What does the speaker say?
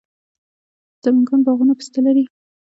د سمنګان باغونه پسته لري.